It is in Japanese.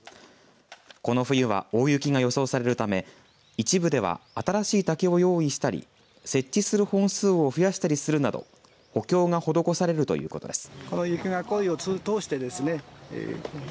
この冬は大雪が予想されるため一部では新しい竹を用意したり設置する本数を増やしたりするなど補強が施されるということです。